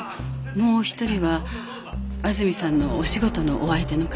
もうお一人は安住さんのお仕事のお相手の方やそうで。